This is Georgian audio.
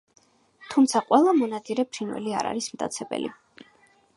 თუმცა ყველა მონადირე ფრინველი არ არის მტაცებელი.